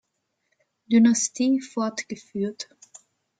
Dynastie fortgeführt.